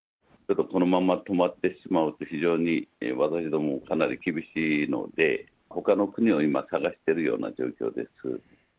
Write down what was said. このまま止まってしまうと、非常に私ども、かなり厳しいので、ほかの国を今、探してるような状況です。